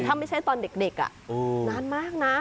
ถ้าไม่ใช่ตอนเด็กนานมากนะ